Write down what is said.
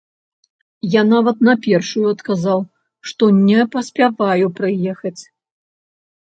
Я нават на першую адказаў, што не паспяваю прыехаць.